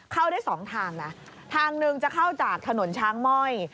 เข้าได้สองทางนะทางหนึ่งจะเข้าจากถนนช้างม่อย